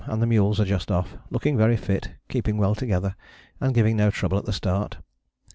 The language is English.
and the mules are just off, looking very fit, keeping well together, and giving no trouble at the start.